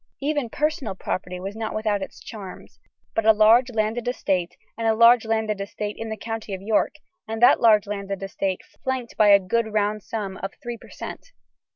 Even personal property was not without its charms; but a large landed estate, and a large landed estate in the county of York, and that large landed estate flanked by a good round sum of Three per Cent.